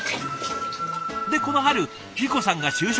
でこの春莉子さんが就職。